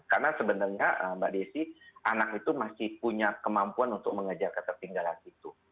karena sebenarnya mbak desi anak itu masih punya kemampuan untuk mengejar ketertinggalan itu